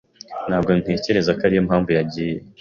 Ntabwo ntekereza ko ariyo mpamvu yagiye.